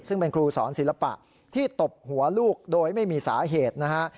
ซึ่งเป็นครูสอนศิลปะที่ตบหัวลูกโดยไม่มีสาเหตุนะฮะ